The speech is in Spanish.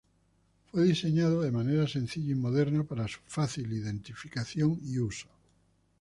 Fue diseñado de manera sencilla y moderna para su fácil identificación y uso.